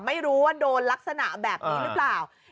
ไม่รู้ว่าโดนลักษณะแบบนี้หรือเปล่า